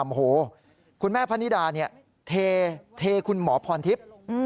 โอ้โหคุณแม่พนิดาเทคุณหมอพรทิพย์